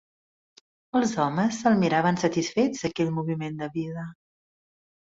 Els homes, se 'l miraven satisfets aquell moviment de vida.